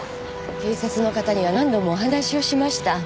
警察の方には何度もお話をしました